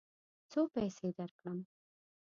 څو پیسې درکړم؟